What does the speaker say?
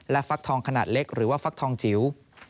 และฟักทองขนาดเล็กหรือว่าฟักทองจิ๋ว